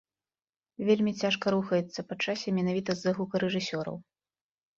Вельмі цяжка рухаецца па часе менавіта з-за гукарэжысёраў.